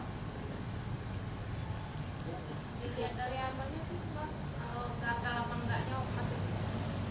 kalau gagal atau enggaknya operasi